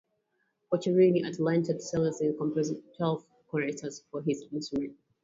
Boccherini, a talented cellist, composed twelve concertos for his instrument.